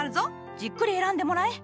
じっくり選んでもらえ。